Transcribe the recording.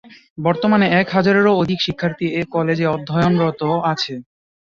বর্তমানে এক হাজারেরও অধিক শিক্ষার্থী এ কলেজে অধ্যয়নরত আছে।